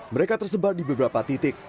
mereka tersebar di beberapa titik